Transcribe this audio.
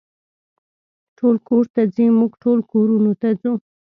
ټول کور ته ځي، موږ ټول کورونو ته ځو.